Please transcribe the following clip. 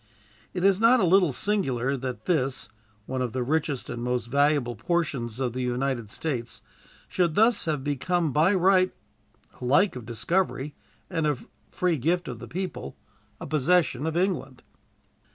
It is not a little singular that this, one of the richest and most valuable portions of the United States, should thus have become by right, alike, of discovery and of free gift of the people, a possession of England.